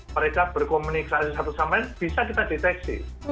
mereka berkomunikasi satu sama lain bisa kita deteksi